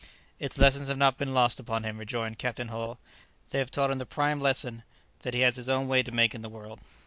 "Its lessons have not been lost upon him," rejoined Captain Hull; "they have taught him the prime lesson that he has his own way to make in the world."